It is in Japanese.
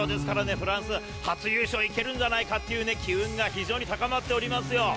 プラス８０勝いけるんじゃないかって機運が非常に高まっていますよ。